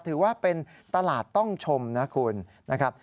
ถือว่าเป็นตลาดต้องชมนะคุณนะครับ